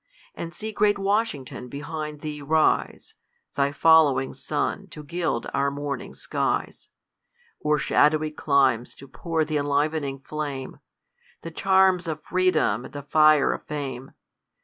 Arid see great Washington behind thee rise, Thy following sun, to gild our morning skies ; O'er shadov/y climes to pour th' enlivening flame, The charms of freedom and the fire of fame.